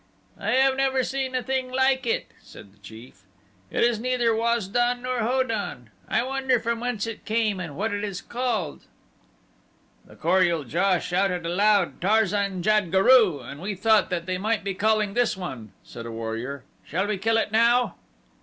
"I have never seen a thing like it," said the chief. "It is neither Waz don nor Ho don. I wonder from whence it came and what it is called." "The Kor ul JA shouted aloud, 'Tarzan jad guru!' and we thought that they might be calling this one," said a warrior. "Shall we kill it now?"